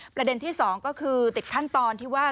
ประเด็นที่๒ก็คือติดขั้นตอนที่ว่า